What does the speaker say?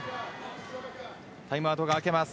タイムアウトがあけます。